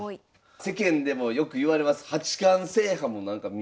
世間でもよくいわれます